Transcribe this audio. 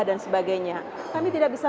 sebagainya kami tidak bisa